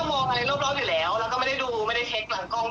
ซึ่งมันก็แล้วแต่วิจารณญาณของคนที่เขาดูค่ะ